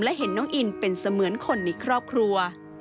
และเห็นน้องอินเป็นเสมือนคนในครอบครัว